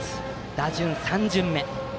打順は３巡目。